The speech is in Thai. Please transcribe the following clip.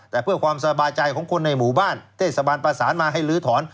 แต่เพื่อความสบายใจของคนในหมู่บ้านเทศบาลประสานมาให้ลื้อถอน